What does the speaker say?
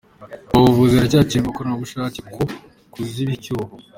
Mu buvuzi haracyakenewe abakorerabushake bo kuziba icyuho